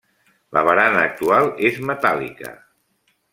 La barana actual és metàl·lica.